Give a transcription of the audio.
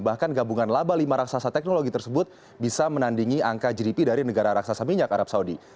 bahkan gabungan laba lima raksasa teknologi tersebut bisa menandingi angka gdp dari negara raksasa minyak arab saudi